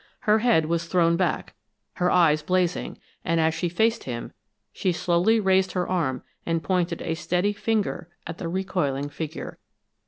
Her head was thrown back, her eyes blazing; and as she faced him, she slowly raised her arm and pointed a steady finger at the recoiling figure.